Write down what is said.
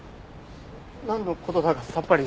なんの事だかさっぱり。